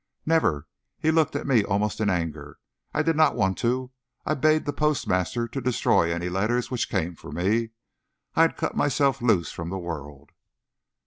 "Never!" He looked at me almost in anger. "I did not want to. I bade the postmaster to destroy any letters which came for me. I had cut myself loose from the world."